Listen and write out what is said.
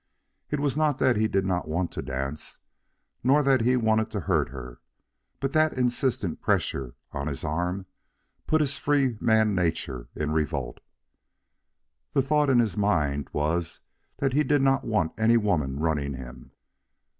It was not that he did not want to dance, nor that he wanted to hurt her; but that insistent pressure on his arm put his free man nature in revolt. The thought in his mind was that he did not want any woman running him.